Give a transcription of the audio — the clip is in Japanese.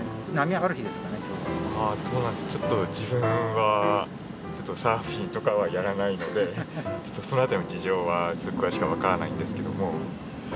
あちょっと自分はサーフィンとかはやらないのでちょっとその辺りの事情は詳しくは分からないんですけども。